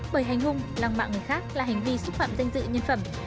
bởi hay ngung làng mạng bởi người khác là hành vi xúc phạm danh dự nhân phẩm